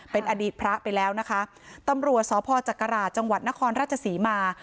เป็นอดีตพระไปแล้วนะคะตำรวจสจักราชจนครรัชสีมา